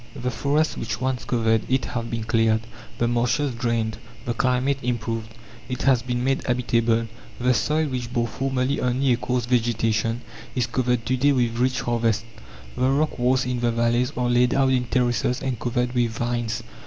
The forests which once covered it have been cleared, the marshes drained, the climate improved. It has been made habitable. The soil, which bore formerly only a coarse vegetation, is covered to day with rich harvests. The rock walls in the valleys are laid out in terraces and covered with vines.